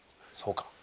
そうか。